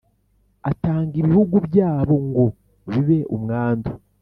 Atanga ibihugu byabo ngo bibe umwandu